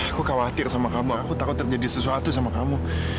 aku khawatir sama kamu aku takut terjadi sesuatu sama kamu